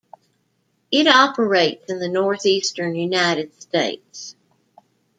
It operates in the northeastern United States.